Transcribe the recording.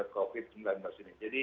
covid sembilan belas ini jadi